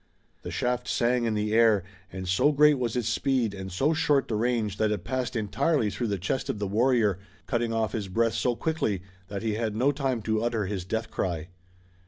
The shaft sang in the air, and so great was its speed and so short the range that it passed entirely through the chest of the warrior, cutting off his breath so quickly that he had no time to utter his death cry.